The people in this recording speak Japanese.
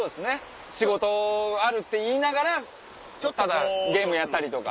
仕事があるって言いながらただゲームやったりとか。